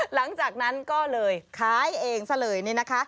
หลังจากนั้นก็เลยขายเองซะเลยนี่นะคะ